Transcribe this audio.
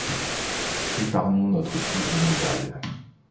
Épargnons notre poudre et nos balles.